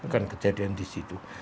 bukan kejadian di situ